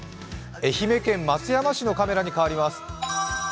愛媛県松山市のカメラに変わります。